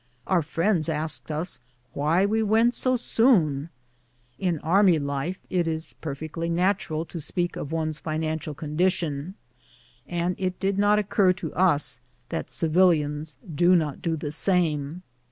Our friends asked us why we went so soon. In army life it is perfectly nat ural to speak of one's financial condition, and it did not occur to us that civilians do not do the same.